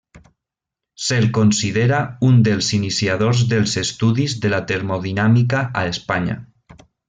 Se'l considera un dels iniciadors dels estudis de la termodinàmica a Espanya.